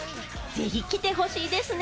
ぜひ来てほしいですね。